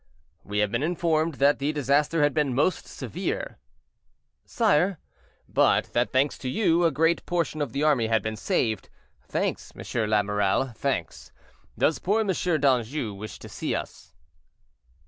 "We have been informed that the disaster had been most severe." "Sire—" "But that, thanks to you, a great portion of the army had been saved; thanks, Monsieur l'Amiral, thanks. Does poor Monsieur d'Anjou wish to see us?"